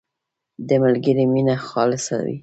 • د ملګري مینه خالصه وي.